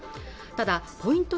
ただポイント